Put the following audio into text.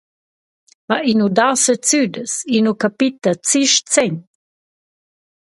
Ma i nu dà sezzüdas, i nu capita zist segn.